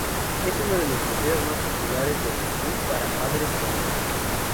Es uno de los museos más populares de Moscú para padres con niños.